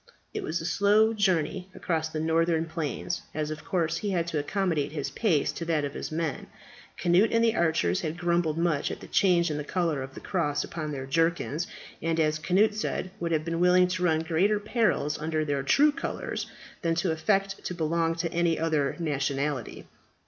It was a slow journey across the northern plains, as of course he had to accommodate his pace to that of his men. Cnut and the archers had grumbled much at the change in the colour of the cross upon their jerkins; and, as Cnut said, would have been willing to run greater perils under their true colours than to affect to belong to any other nationality.